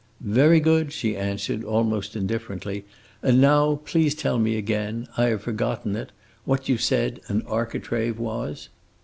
"Very good," she answered, almost indifferently, "and now please tell me again I have forgotten it what you said an 'architrave' was."